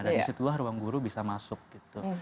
dan disitulah ruangguru bisa masuk gitu